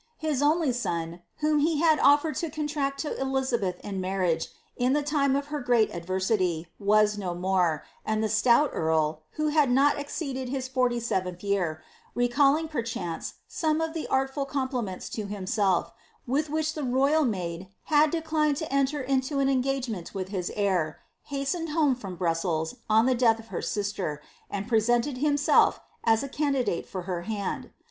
His ooly son, whom he had oflered to contract to Elizabeth in marriage, in the time of her great adversity, was no more, and the stout earl, who kid not exceeded his forty seventh year, recalling perchance some of tbe artful compliments to himself, with which the royal maid had de diaed to enter into an engagement with his heir, hastened home from Bruisela, on the death of her sister, and presented himself as a candi dite for her hand.